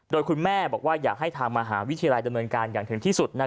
โดยคุณแม่บอกว่าอยากให้ทางมหาวิทยาลัยดำเนินการอย่างถึงที่สุด